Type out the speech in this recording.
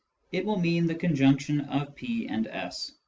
it will mean the conjunction of p and s.